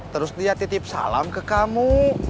terus dia titip salam ke kamu